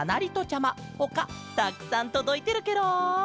ちゃまほかたくさんとどいてるケロ！